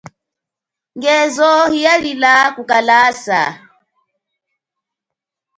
Ngezo hiya lila kukalasa.